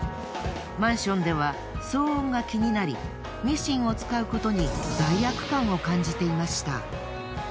マンションでは騒音が気になりミシンを使うことに罪悪感を感じていました。